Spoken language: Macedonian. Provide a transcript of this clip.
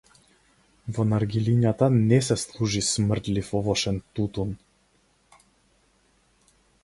Во наргилињата не се служи смрдлив овошен тутун.